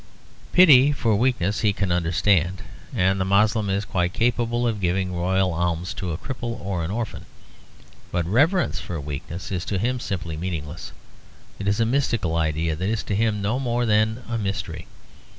Pity for weakness he can understand; and the Moslem is quite capable of giving royal alms to a cripple or an orphan. But reverence for weakness is to him simply meaningless. It is a mystical idea that is to him no more than a mystery.